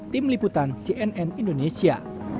tim liputan cnn indonesia